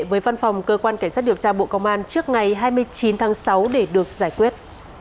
với văn phòng cơ quan cảnh sát điều tra bộ công an trước ngày hai mươi chín tháng sáu để được giải quyết